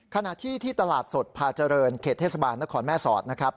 ขณะที่ที่ตลาดสดพาเจริญเขตเทศบาลนครแม่สอดนะครับ